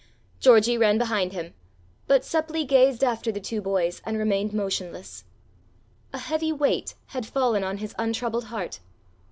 Georgie ran behind him; but Seppli gazed after the two boys and remained motionless. A heavy weight had fallen on his untroubled heart.